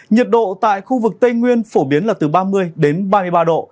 nhiệt độ tại khu vực tây nguyên phổ biến là từ ba mươi đến ba mươi ba độ